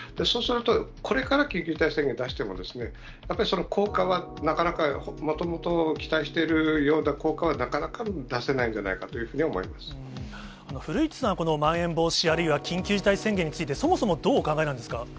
そうすると、これから緊急事態宣言を出しても、やっぱりその効果は、なかなか、もともと期待しているような効果は、なかなか出せないんじゃない古市さんは、このまん延防止、あるいは緊急事態宣言についてそもそもどうお考えなんですか。